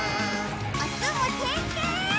おつむてんてん！